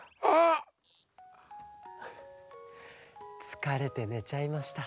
つかれてねちゃいました。